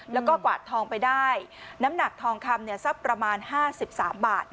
แล้วก็กวาดทองไปได้น้ำหนักทองคำสักประมาณ๕๓บาท